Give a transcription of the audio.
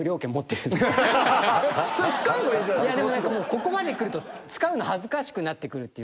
ここまでくると使うの恥ずかしくなってくるっていうか。